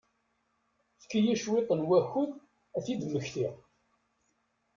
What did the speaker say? Efk-iyi cwiṭ n wakud ad t-id-mmektiɣ.